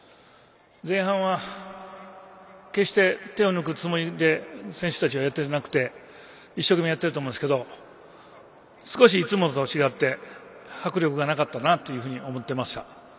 前半は、決して手を抜くつもりで選手たちはやっていなくて一生懸命やっていると思いますけど少し、いつもと違って迫力がなかったなと思っていました。